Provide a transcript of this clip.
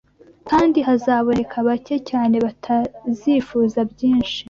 kandi hazaboneka bake cyane batazifuza byinshi